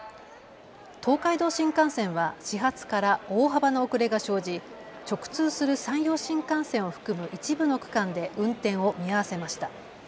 東海道新幹線は始発から大幅な遅れが生じ直通する山陽新幹線を含む一部の区間で運転を見合わせました。